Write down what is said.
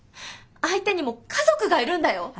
相手にも家族がいるんだよ？